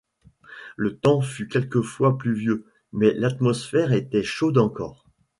Le temps fut quelquefois pluvieux, mais l’atmosphère était chaude encore.